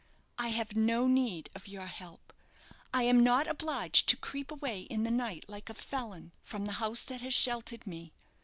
I have no need of your help. I am not obliged to creep away in the night like a felon, from the house that has sheltered me.